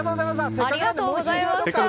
せっかくなのでもう１周行きましょうか。